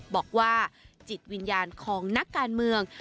บอกว่าจิตวิญญาณของนักการเมือง